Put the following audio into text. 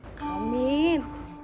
iya bisa meren doain saya biar keterima